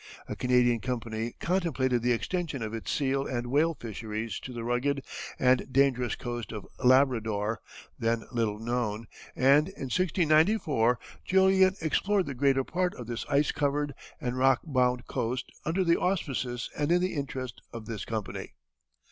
A Canadian company contemplated the extension of its seal and whale fisheries to the rugged and dangerous coast of Labrador, then little known, and in 1694 Joliet explored the greater part of this ice covered and rock bound coast under the auspices and in the interest of this company.